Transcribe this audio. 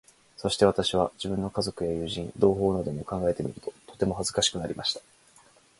そして私は、自分の家族や友人、同胞などを考えてみると、とてもひどく恥かしくなりました。